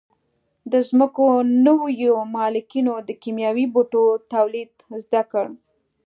د ځمکو نویو مالکینو د کیمیاوي بوټو تولید زده کړ.